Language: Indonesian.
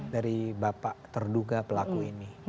dari bapak terduga pelaku ini